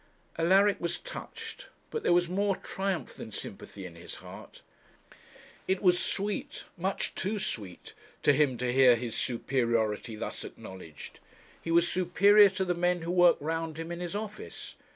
Alaric was touched; but there was more triumph than sympathy in his heart. It was sweet, much too sweet, to him to hear his superiority thus acknowledged. He was superior to the men who worked round him in his office.